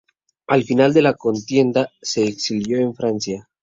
Al final de la contienda se exilió en Francia.